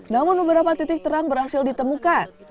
namun beberapa titik terang berhasil ditemukan